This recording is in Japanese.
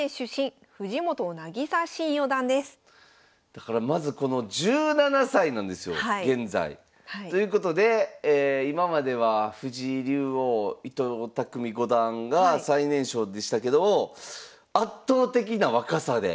だからまずこの１７歳なんですよ現在。ということで今までは藤井竜王伊藤匠五段が最年少でしたけど圧倒的な若さで。